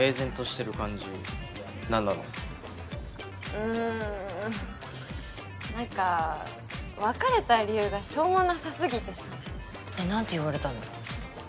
うんなんか別れた理由がしょうもなさすぎてさ何て言われたの？